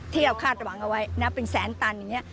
ที่เราคาดหวังเอาไว้นับเป็นแสนตันอย่างนี้